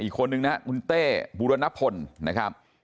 อีกคนนึงนะครับคุณเต้บุรณพลนะครับ